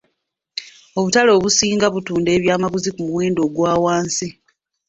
Obutale obusinga butunda ebyamaguzi ku muwendo ogwa wansi.